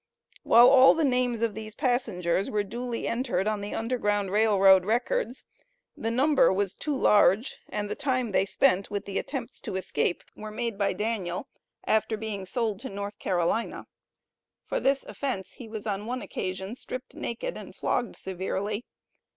While all the names of these passengers were duly entered on the Underground Rail Road records, the number was too large, and the time they spent with the attempts to escape were made by Daniel, after being sold to North Carolina; for this offence, he was on one occasion stripped naked, and flogged severely.